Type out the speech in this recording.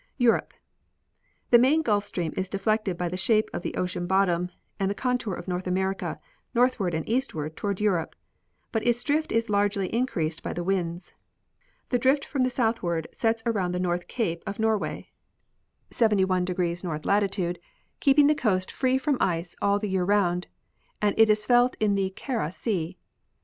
Europe. The main Gulf stream is deflected, by the shape of the ocean bottom and the contour of North America, northward and east ward toward Europe ; but its drift is largely increased by the winds. The drift from the southward sets around the North 118 G. G. Hubbard — Air and Water, Temperature and Life. cape of Norway, 71° north latitude, keeping the coast free from ice all the year round, and is felt in the Kara sea.